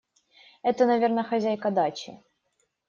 Это, наверно, хозяйка дачи.